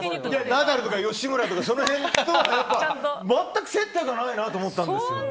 ナダルとか、吉村とかその辺とは全く接点がないなと思ったんです。